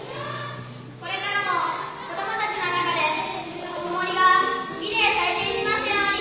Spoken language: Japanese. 「これからも子どもたちの中でぬくもりがリレーされていきますように」。